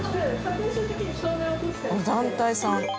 団体さん！